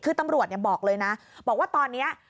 คือตำรวจบอกเลยนะบอกว่าตอนนี้